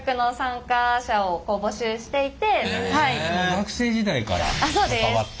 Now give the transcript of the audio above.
学生時代から関わって。